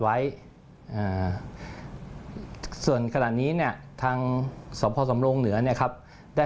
ไว้ส่วนขนาดนี้เนี่ยทางสพสำรงเหนือเนี่ยครับได้